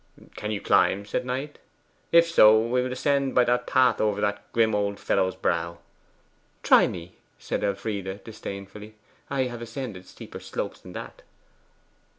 'Can you climb?' said Knight. 'If so, we will ascend by that path over the grim old fellow's brow.' 'Try me,' said Elfride disdainfully. 'I have ascended steeper slopes than that.